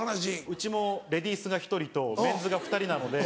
うちもレディースが１人とメンズが２人なので。